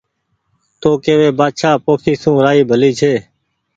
تو ڪيوي بآڇآ پوکي سون رآئي ڀلي ڇي